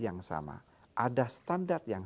yang sama ada standar yang